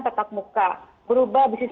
tetap muka berubah bisnis